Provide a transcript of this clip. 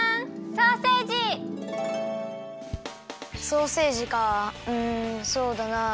ソーセージかうんそうだな。